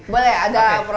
boleh ada properti